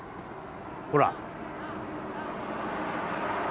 ほら。